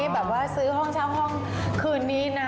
แบบว่าซื้อห้องเช่าห้องคืนนี้นะ